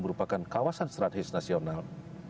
merupakan kawasan strategis nasional